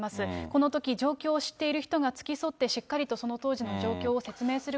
このとき、状況を知っている人が付き添ってしっかりとその当時の状況を説明